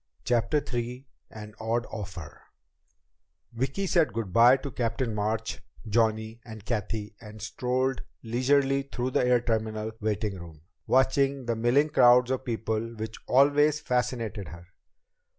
CHAPTER III An Odd Offer Vicki said good by to Captain March, Johnny, and Cathy and strolled leisurely through the air terminal waiting room, watching the milling crowds of people which always fascinated her.